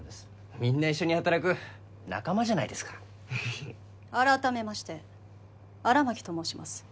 みんな一緒に働く仲間じゃないですか改めまして荒牧と申します